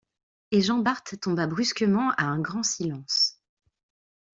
Et Jean-Bart tomba brusquement à un grand silence.